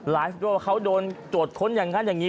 ด้วยว่าเขาโดนตรวจค้นอย่างนั้นอย่างนี้